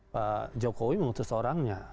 pak jokowi memutus orangnya